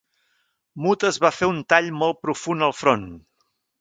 Muta es va fer un tall molt profund al front.